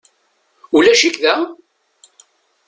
Ulac-ik da?